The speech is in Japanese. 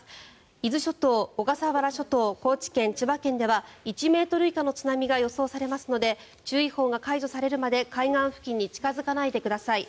伊豆諸島、小笠原諸島高知県、千葉県では１ｍ以下の津波が予想されますので注意報が解除されるまで海岸付近に近付かないでください。